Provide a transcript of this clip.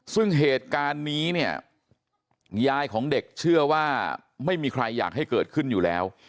ซึ่งเหตุการณ์นี้เนี่ยยายของเด็กเชื่อว่าไม่มีใครอยากให้เกิดขึ้นอยู่แล้ว